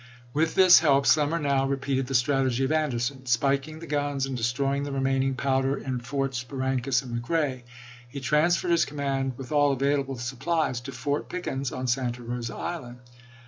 With this help Slemmer now re peated the strategy of Anderson. Spiking the guns and destroying the remaining powder in Forts Barrancas and McEae, he transferred his command, with all available supplies, to Fort Pickens, on Santa Rosa Island.